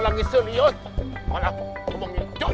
ngomongin jodoh tak sempet paseng kok